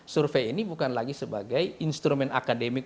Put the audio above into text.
survei ini bukan lagi sebagai instrumen akademik